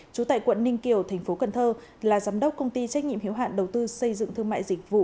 trú tại quận ninh kiều thành phố cần thơ là giám đốc công ty trách nhiệm hiếu hạn đầu tư xây dựng thương mại dịch vụ